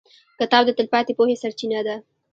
• کتاب د تلپاتې پوهې سرچینه ده.